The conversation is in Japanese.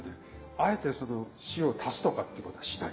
あえてその塩を足すとかっていうことはしない。